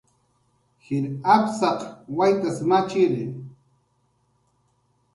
Jir apsaq waytas machiri